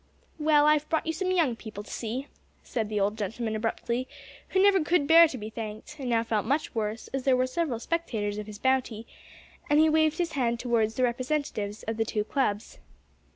"Well, I've brought some young people to see you," said the old gentleman abruptly, who never could bear to be thanked, and now felt much worse, as there were several spectators of his bounty; and he waved his hand toward the representatives of the two clubs.